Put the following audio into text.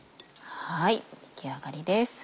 出来上がりです。